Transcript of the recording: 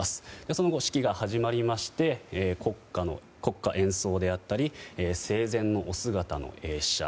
その後、式が始まりまして国歌演奏であったり生前のお姿の映写